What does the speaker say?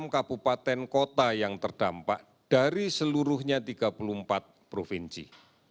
enam kabupaten kota yang terdampak dari seluruhnya tiga puluh empat provinsi